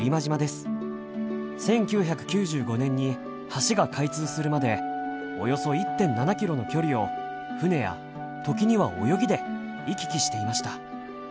１９９５年に橋が開通するまでおよそ１．７キロの距離を船や時には泳ぎで行き来していました。